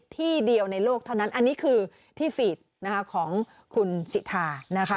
ที่เดียวในโลกเท่านั้นอันนี้คือที่ฟีดนะคะของคุณสิทานะคะ